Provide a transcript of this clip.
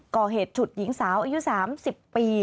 ก่อเหตุฉุดหญิงสาวอายุ๓๐ปี